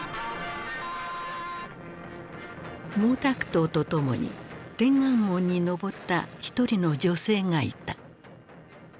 毛沢東と共に天安門に上った１人の女性がいた。